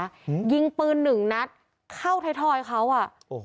อืมยิงปืนหนึ่งนัดเข้าไทยทอยเขาอ่ะโอ้โห